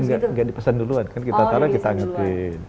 nggak dipesan duluan kan kita taruh kita angetin